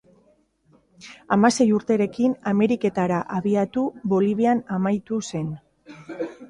Hamasei urterekin Ameriketara abiatu Bolivian amaitu zen.